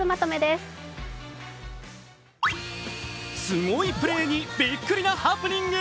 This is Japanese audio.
すごいプレーにびっくりなハプニング。